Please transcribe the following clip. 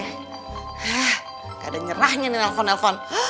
hah gak ada nyerahnya nih telepon telepon